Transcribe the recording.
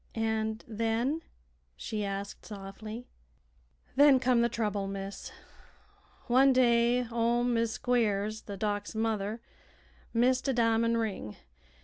"And then?" she asked, softly. "Then come the trouble, miss. One day ol' Mis' Squiers, the Doc's mother, missed a di'mon' ring.